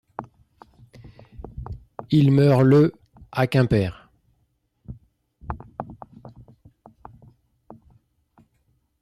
Il meurt le à Quimper.